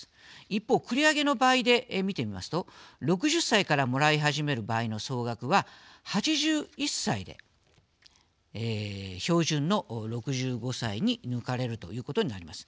一方、繰り上げの場合で見てみますと６０歳からもらい始める場合の総額は８１歳で標準の６５歳に抜かれるということになります。